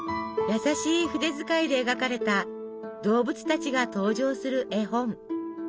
優しい筆遣いで描かれた動物たちが登場する絵本